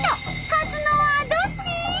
勝つのはどっち！？